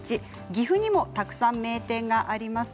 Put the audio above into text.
岐阜にもたくさん名店があります。